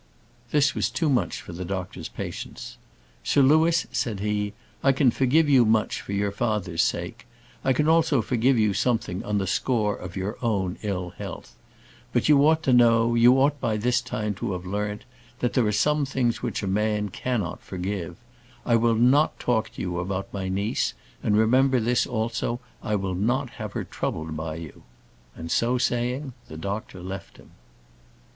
This was too much for the doctor's patience. "Sir Louis," said he, "I can forgive you much for your father's sake. I can also forgive something on the score of your own ill health. But you ought to know, you ought by this time to have learnt, that there are some things which a man cannot forgive. I will not talk to you about my niece; and remember this, also, I will not have her troubled by you:" and, so saying, the doctor left him.